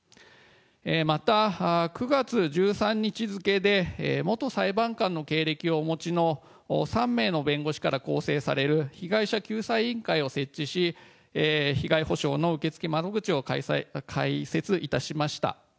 また９月１３日付で元裁判官の経歴をお持ちの３名の弁護士から構成される被害者救済委員会を設置し、被害補償の受け付け窓口を開設いたしました。